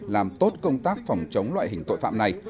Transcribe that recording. làm tốt công tác phòng chống loại hình tội phạm này